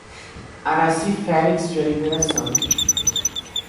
Araci Felix de Oliveira Santos